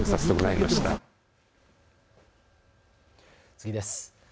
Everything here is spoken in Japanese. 次です。